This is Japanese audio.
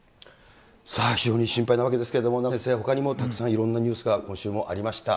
さあ、非常に心配なわけですけれども、名越先生、ほかにもたくさんいろんなニュースが今週もありました。